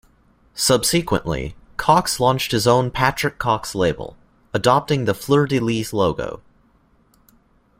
Subsequently, Cox launched his own Patrick Cox label, adopting the fleur-de-lys logo.